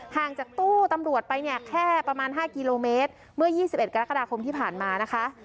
ห่างจากตู้ตำรวจไปเนี่ยแค่ประมาณ๕กิโลเมตรเมื่อ๒๑กรกฎาคมที่ผ่านมานะคะ